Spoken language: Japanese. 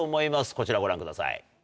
こちらご覧ください。